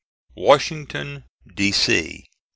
Washington, D. C.